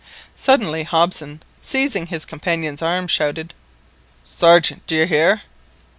Suddenly Hobson seizing his companion's arm shouted— "Sergeant, do you hear?"